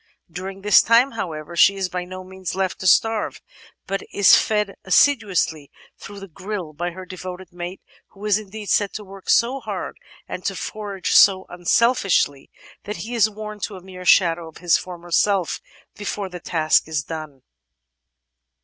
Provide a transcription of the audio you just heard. During this time, however, she is by no means left to starve, but is fed assiduously through the "grille" by her devoted mate, who is indeed said to work so hard and to forage so unselfishly that he is worn to a mere shadow of his former self before the task is done.